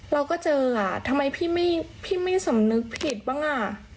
เราก็เจออ่ะทำไมพี่ไม่สำนึกผิดบ้างอ่ะ